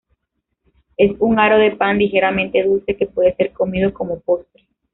Es un aro de pan ligeramente dulce, que puede ser comido como postre.